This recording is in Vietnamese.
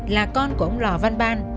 là con của ông lò văn ban